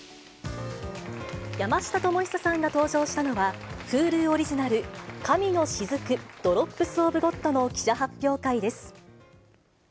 山下智久さんが登場したのは、Ｈｕｌｕオリジナル、神の雫／ドロップス・オブ・ゴッドの記者発表会です。